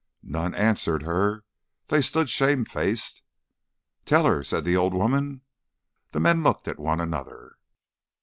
None answered her. They stood shame faced. "Tell her," said the old woman. The men looked at one another.